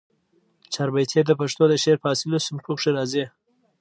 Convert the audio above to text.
چاربیتې د پښتو د شعر په اصیلو صنفونوکښي راځي